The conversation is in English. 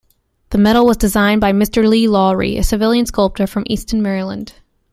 The medal was designed by Mr. Lee Lawrie, a civilian sculptor from Easton, Maryland.